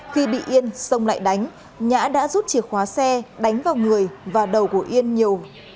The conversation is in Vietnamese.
khi bị yên sông lại đánh nhã đã rút chìa khóa xe đánh vào người và đầu của yên nhiều